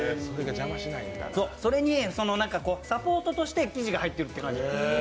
それにサポートとして生地が入ってるって感じ